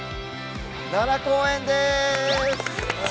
奈良公園です！